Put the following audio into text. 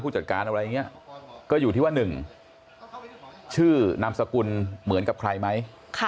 จัดการอะไรอย่างนี้ก็อยู่ที่ว่า๑ชื่อนามสกุลเหมือนกับใครไหม